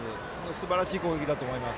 すばらしい攻撃だと思います。